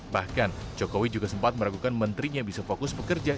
bahkan jokowi juga sempat meragukan menterinya bisa fokus bekerja